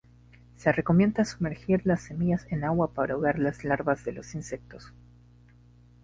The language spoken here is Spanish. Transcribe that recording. Se recomienda sumergir las semillas en agua para ahogar las larvas de los insectos.